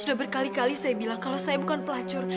sudah berkali kali saya bilang kalau saya bukan pelacur